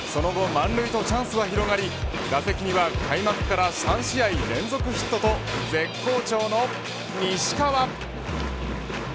執念のフォアボールを選ぶとその後満塁とチャンスは広がり打席には開幕から３試合連続ヒットと絶好調の西川。